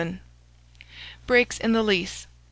BREAKS IN THE LEASE.